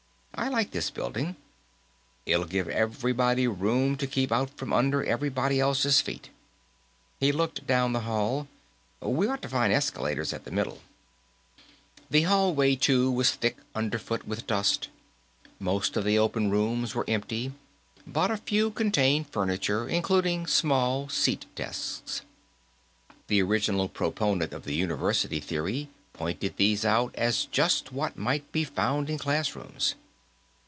I like this building: it'll give everybody room to keep out from under everybody else's feet." He looked down the hall. "We ought to find escalators at the middle." The hallway, too, was thick underfoot with dust. Most of the open rooms were empty, but a few contained furniture, including small seat desks. The original proponent of the university theory pointed these out as just what might be found in classrooms.